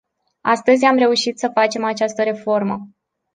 Astăzi am reușit să facem această reformă.